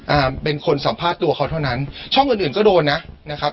อ่าเป็นคนสัมภาษณ์ตัวเขาเท่านั้นช่องอื่นอื่นก็โดนนะนะครับ